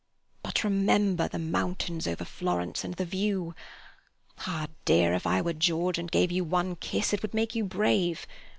But remember the mountains over Florence and the view. Ah, dear, if I were George, and gave you one kiss, it would make you brave.